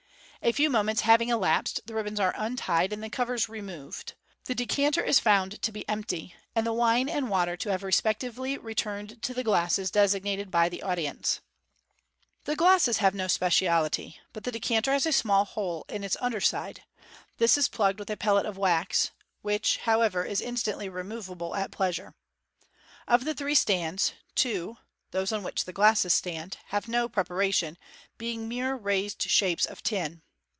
A few moments having elapsed, the ribbons are untied and the covers removed. The decanter is found to be empty, and the wine and water to have respectively returned to the glasses designated by the audience. The glasses used have no speciality, but the decanter has a small hole in its under side. This is plugged with a pellet of wax, which, however, is instantly removeable at pleasure. Of the three stands, two (those on which the glasses stand) have no preparation, being mere raised shapes of tin.